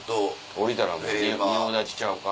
降りたら夕立ちゃうか？